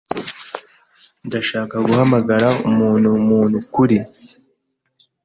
Ndashaka guhamagara umuntu-muntu kuri --.